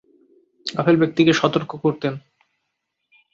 গাফেল ব্যক্তিকে সতর্ক করতেন।